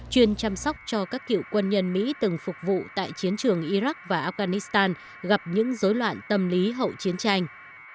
chuyên chăm sóc cho các cựu quân nhân mỹ từng phục vụ tại chiến trường iraq và afghanistan gặp những dối loạn tâm lý hậu chiến tranh